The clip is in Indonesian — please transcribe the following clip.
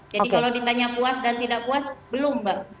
jadi kalau ditanya puas dan tidak puas belum mbak